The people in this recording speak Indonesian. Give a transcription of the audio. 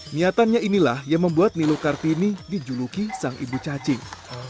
niatannya inilah yang membuat niluh kartini dijuluki sang ibu cacing